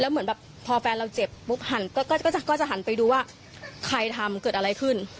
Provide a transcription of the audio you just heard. เหมือนแบบพอแฟนเราเจ็บปุ๊บหันก็จะหันไปดูว่าใครทำเกิดอะไรขึ้น